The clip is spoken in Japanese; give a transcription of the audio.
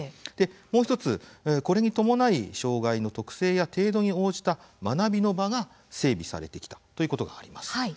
もう１つ、これに伴い障害の特性や程度に応じた学びの場が整備されてきたということがあります。